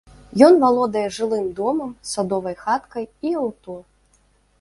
Ён валодае жылым домам, садовай хаткай і аўто.